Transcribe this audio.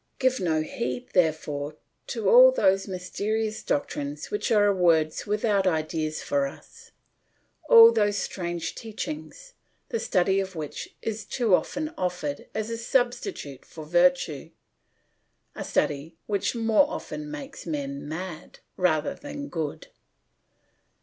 Give no heed, therefore, to all those mysterious doctrines which are words without ideas for us, all those strange teachings, the study of which is too often offered as a substitute for virtue, a study which more often makes men mad rather than good.